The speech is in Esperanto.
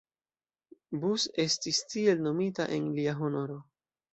Bus, estis tiel nomita en lia honoro.